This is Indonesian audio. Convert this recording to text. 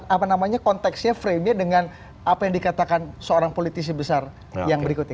apa namanya konteksnya frame nya dengan apa yang dikatakan seorang politisi besar yang berikut ini